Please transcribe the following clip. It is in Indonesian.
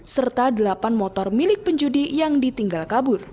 serta delapan motor milik penjudi yang ditinggal kabur